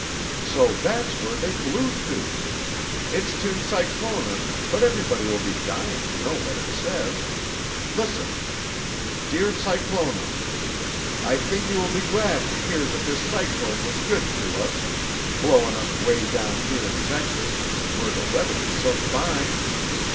"So that's where they blew to! It's to Cyclona, but everybody will be dying to know what it says. Listen: "'Dear Cyclona: "'I think you will be glad to hear that this cyclone was good to us, blowin' us 'way down here in Texas, where the weather is so fine.